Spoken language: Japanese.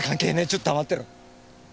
ちょっと黙ってろ。